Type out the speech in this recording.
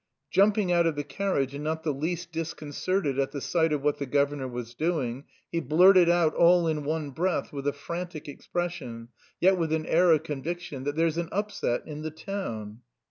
Jumping out of the carriage, and not the least disconcerted at the sight of what the governor was doing, he blurted out all in one breath, with a frantic expression, yet with an air of conviction, that "There's an upset in the town."